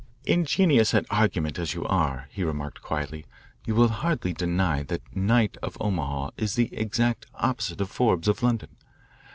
"Ingenious at argument as you are, he remarked quietly, "you will hardly deny that Knight, of Omaha, is the exact opposite of Forbes, of London.